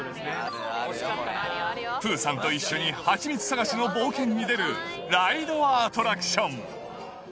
プーさんと一緒に蜂蜜探しの冒険に出るライドアトラクション。